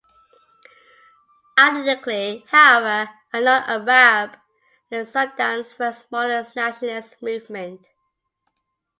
Ironically, however, a non-Arab led Sudan's first modern nationalist movement.